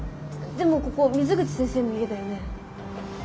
でもここ水口先生の家だよね。